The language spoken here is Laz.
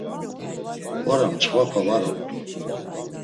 Ora mçxvapa var ort̆u.